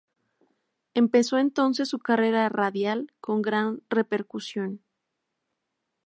Empezó entonces su carrera radial con gran repercusión.